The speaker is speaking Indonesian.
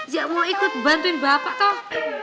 ya mau ikut bantuin bapak toh